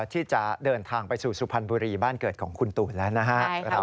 ที่จะเดินทางไปสู่สุพรรณบุรีบ้านเกิดของคุณตูนแล้วนะครับ